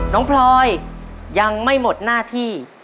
พลอยยังไม่หมดหน้าที่